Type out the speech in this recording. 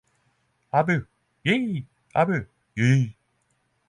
Abu Ye Abu ye!